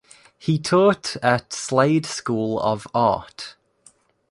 He taught at Slade School of Art.